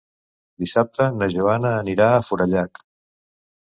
Dissabte na Joana anirà a Forallac.